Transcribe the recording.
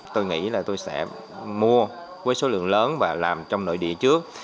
tôi nghĩ là tôi sẽ mua với số lượng lớn và làm trong nội địa trước